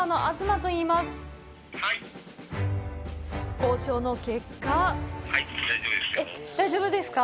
交渉の結果大丈夫ですか？